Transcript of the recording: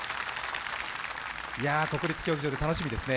国立競技場で楽しみですね。